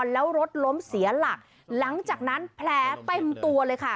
แล้วรถล้มเสียหลักหลังจากนั้นแผลเต็มตัวเลยค่ะ